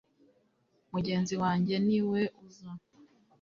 mugenzi wanjye niwe uza